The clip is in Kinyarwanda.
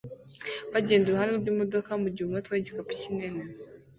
bagenda iruhande rwimodoka mugihe umwe atwaye igikapu kinini